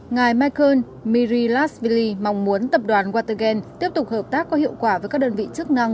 ngài michael miri lasvili mong muốn tập đoàn watergen tiếp tục hợp tác có hiệu quả với các đơn vị chức năng